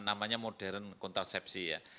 namanya modern kontrasepsi